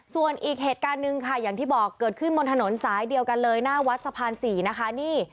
ส่วนอีกเหตุการณ์หนึ่งค่ะอย่างที่บอกเกิดขึ้นบนถนนสายเดียวกันเลยหน้าวัดสะพาน๔นะคะนี่